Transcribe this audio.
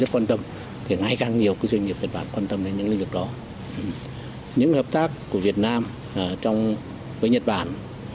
chúng tôi hy vọng đây là một lĩnh vực hợp tác của nhật bản